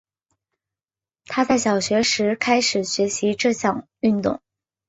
她在小学时开始学习这项运动。